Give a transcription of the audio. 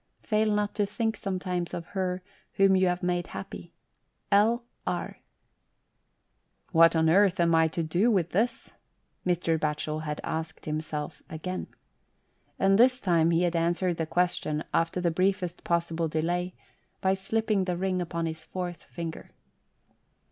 Fail not to think some times of her whom you have made happy. — L. R." "What on earth am I to do with this?" Mr. Batchel had asked himself again. And this time he had answered the question, after the briefest possible delay, by slipping the ring upon his fourth finger.